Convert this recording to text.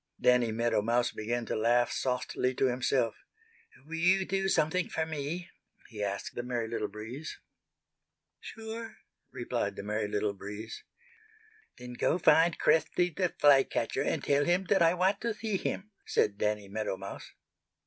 Danny Meadow Mouse began to laugh softly to himself. "Will you do something for me?" he asked the Merry Little Breeze. "Sure," replied the Merry Little Breeze. "Then go find Cresty the Fly catcher and tell him that I want to see him," said Danny Meadow Mouse.